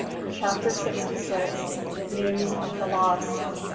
CHAPTER SIXTY SIX. NEWS OF THE LOST.